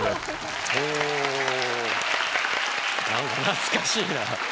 懐かしいな。